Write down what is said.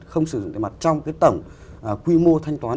không sử dụng tiền mặt trong cái tổng quy mô thanh toán